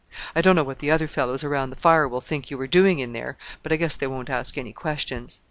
I don't know what the other fellows around the fire will think you were doing in there; but I guess they won't ask any questions.